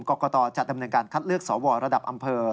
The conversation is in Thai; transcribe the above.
กรกตจัดดำเนินการคัดเลือกสวระดับอำเภอ